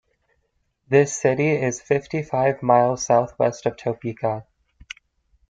This city is fifty-five miles southwest of Topeka.